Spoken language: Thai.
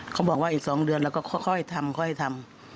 เขาบอกว่าอีก๒เดือนเราก็ค่อยทำค่อยทำ